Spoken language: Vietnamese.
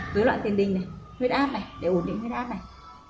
với loại tiền đình này huyết áp này để ổn định huyết áp này